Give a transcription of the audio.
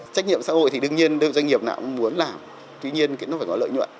trách nhiệm xã hội thì đương nhiên đương doanh nghiệp nào cũng muốn làm tuy nhiên nó phải có lợi nhuận